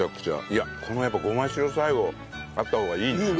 いやこのやっぱごま塩最後あった方がいいね。